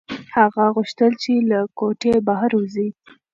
هغه غوښتل چې له کوټې بهر ووځي.